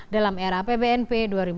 dalam era pbnp dua ribu tujuh belas